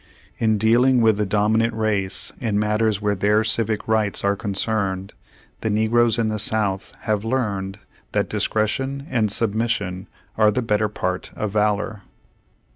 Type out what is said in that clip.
In dealing with the dominant race, in matters where their civic rights ^ See page ISl. are concerned, the negroes in the South have learned that discretion and submission are the Page Two Hundi ed better part of valor.